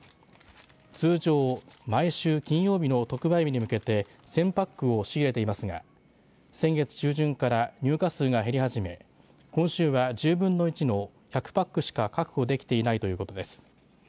通常、毎週金曜日の特売日に向けて１０００パックを仕入れていますが先月中旬から入荷数が減り始め今週は１０分の１の１００パックしか確保できていないということです。